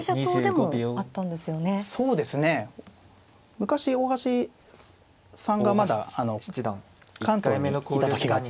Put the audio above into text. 昔大橋さんがまだ関東にいた時があったんですね。